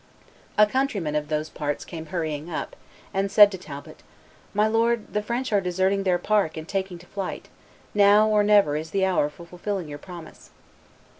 A countryman of those parts came hurrying up, and said to Talbot, "My lord, the French are deserting their park and taking to flight; now or never is the hour for fulfilling your promise."